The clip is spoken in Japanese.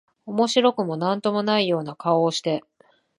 面白くも何とも無いような顔をして、